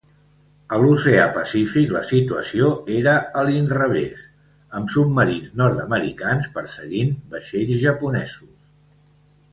A l'oceà Pacífic, la situació era a l'inrevés, amb submarins nord-americans perseguint vaixells japonesos.